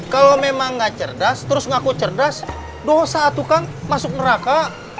kalau memang gak cerdas terus ngaku cerdas dosa tukang masuk neraka